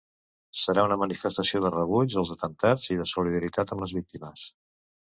Serà una manifestació de rebuig als atemptats i de solidaritat amb les víctimes.